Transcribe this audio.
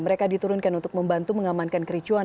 mereka diturunkan untuk membantu mengamankan kericuan